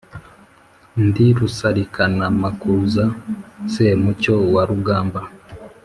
ndi rusarikanamakuza semucyo wa rugamba,